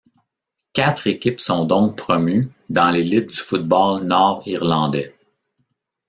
Quatre équipes sont donc promues dans l’élite du football nord-irlandais.